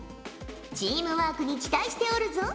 チームワークに期待しておるぞ。